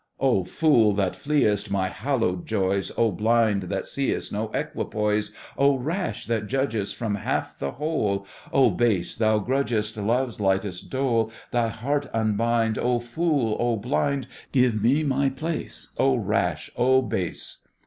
Oh fool, that fleest My hallowed joys! Oh blind, that seest No equipoise! Oh rash, that judgest From half, the whole! Oh base, that grudgest Love's lightest dole! Thy heart unbind, Oh fool, oh blind! Give me my place, Oh rash, oh base!